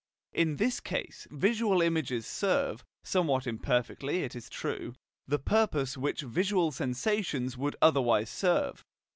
In this case visual images serve, somewhat imperfectly it is true, the purpose which visual sensations would otherwise serve.